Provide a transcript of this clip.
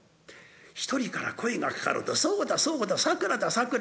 １人から声がかかると「そうだそうだ『佐倉』だ『佐倉』。